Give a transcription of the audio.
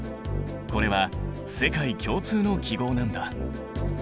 これは世界共通の記号なんだ。